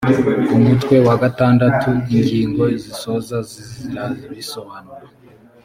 umutwe wa gatandatu ingingo zisoza zirabisobanura